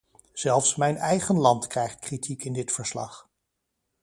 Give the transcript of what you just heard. Zelfs mijn eigen land krijgt kritiek in dit verslag.